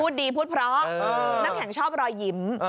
พูดดีพูดเพราะน้ำแข็งชอบรอยยิ้ม